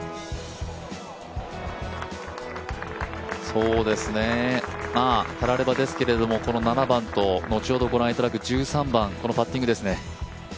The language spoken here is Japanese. そうですね、たらればですけどこの７番と、後ほどご覧いただく１３番このパッティングですね。